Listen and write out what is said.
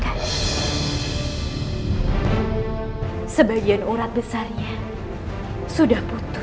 aku harus lebih waspada dalam menghadapinya